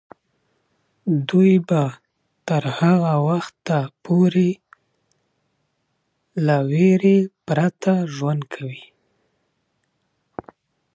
دوی به تر هغه وخته پورې له ویرې پرته ژوند کوي.